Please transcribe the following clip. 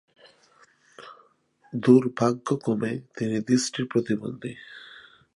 দুর্ভাগ্যক্রমে তিনি দৃষ্টি প্রতিবন্ধী।